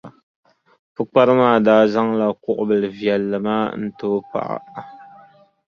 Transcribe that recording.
Pukpara maa daa zaŋla kuɣʼ bilʼ viɛlli maa n-ti o paɣa.